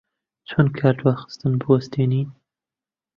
چۆن کاردواخستن بوەستێنین؟